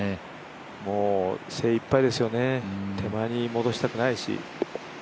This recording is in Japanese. もう精一杯ですよね、手前に戻したくないし。